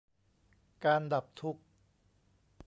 การดับทุกข์